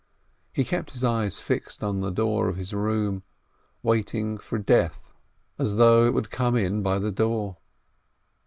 He kept his eyes fixed on the door of his room, waiting for death, as though it would come in by the door.